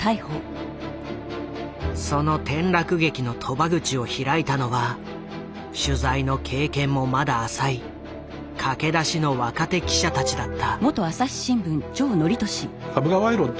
その転落劇のとば口を開いたのは取材の経験もまだ浅い駆け出しの若手記者たちだった。